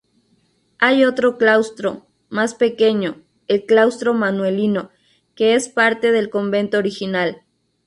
Hay otro claustro más pequeño, el claustro manuelino, que es parte del convento original.